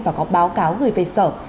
và có báo cáo gửi về sở